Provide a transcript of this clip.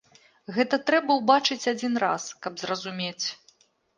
Гэта трэба ўбачыць адзін раз, каб зразумець.